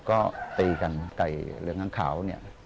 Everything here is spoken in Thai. ก็ตีกันไก่เหลืองอังขาวเนี่ย